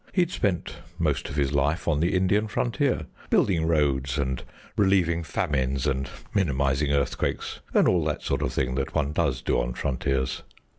He'd spent most of his life on the Indian frontier, building roads, and relieving famines and minimizing earthquakes, and all that sort of thing that one does do on frontiers.